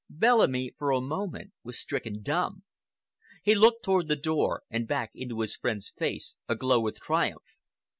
Bellamy for a moment was stricken dumb. He looked toward the door and back into his friend's face aglow with triumph.